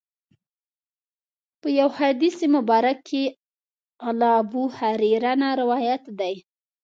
په یو حدیث مبارک کې له ابوهریره نه روایت دی.